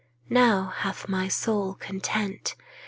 Now hath my soul content.